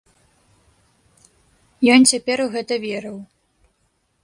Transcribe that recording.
Ён цяпер у гэта верыў.